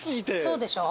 そうでしょ。